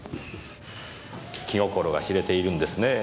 気心が知れているんですねぇ